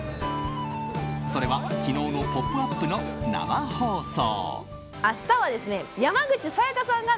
それは、昨日の「ポップＵＰ！」の生放送。